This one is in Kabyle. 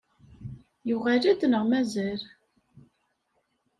Yuɣal-d neɣ mazal?